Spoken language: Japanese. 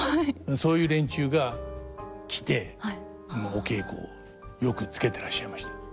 そういう連中が来てお稽古をよくつけてらっしゃいました。